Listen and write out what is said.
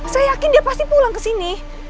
saya yakin dia pasti pulang ke sini